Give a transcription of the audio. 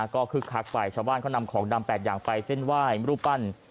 ก็คึกคักไปชาวบ้านเขานำของดำ๘อย่างไปเส้นไหว้รูปปั้น